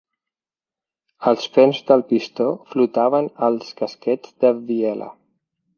Els perns del pistó flotaven als casquets de biela.